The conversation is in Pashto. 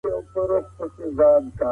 هغه ګوند چي عامه ګټي ساتي د ولس خوښيږي.